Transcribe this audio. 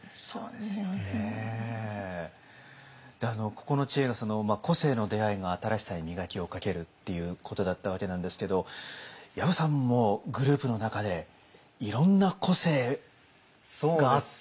でここの知恵が「個性の出会いが“新しさ”に磨きをかける」っていうことだったわけなんですけど薮さんもグループの中でいろんな個性があって。